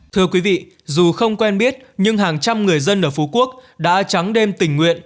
thưa quý vị dù không quen biết nhưng hàng trăm người dân ở phú quốc đã trắng đêm tình nguyện